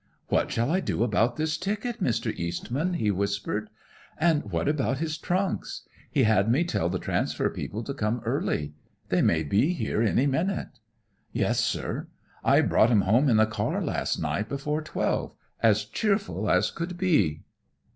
"What shall I do about this ticket, Mr. Eastman?" he whispered. "And what about his trunks? He had me tell the transfer people to come early. They may be here any minute. Yes, sir. I brought him home in the car last night, before twelve, as cheerful as could be."